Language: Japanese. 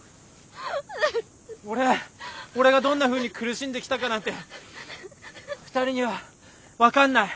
俺俺がどんなふうに苦しんできたかなんて２人には分かんない。